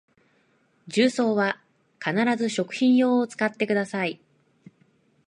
重曹は必ず食品用を使ってください